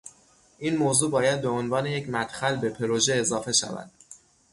این موضوع باید به عنوان یک مدخل به پروژه اضافه شود